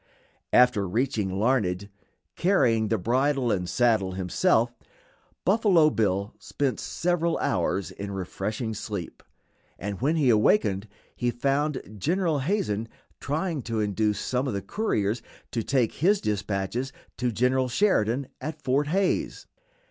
After reaching Larned carrying the bridle and saddle himself Buffalo Bill spent several hours in refreshing sleep, and when he awakened he found General Hazen trying to induce some of the couriers to take his dispatches to General Sheridan at Fort Hays.